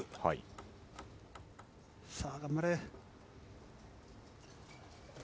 さあ、頑張れ。